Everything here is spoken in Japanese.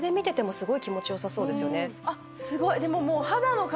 すごい。